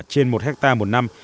trên một hectare một năm